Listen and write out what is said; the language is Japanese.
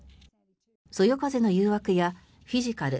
「そよ風の誘惑」や「フィジカル」